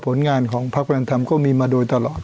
ผลงานของพักพลังธรรมก็มีมาโดยตลอด